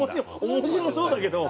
面白そうだけど。